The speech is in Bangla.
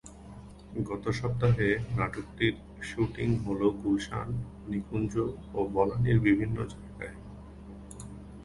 গত সপ্তাহে নাটকটির শুটিং হলো গুলশান, নিকুঞ্জ ও বনানীর বিভিন্ন জায়গায়।